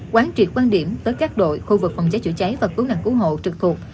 quán triệt quan điểm tới các đội khu vực phòng cháy chữa cháy và cứu nạn cứu hộ trực thuộc